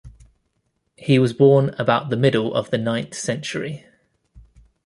He was born about the middle of the ninth century.